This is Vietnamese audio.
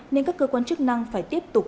nên các cơ quan chức năng phải tiếp tục